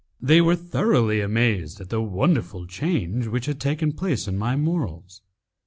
They were thoroughly amazed at the wonderful change which had taken place in my morals.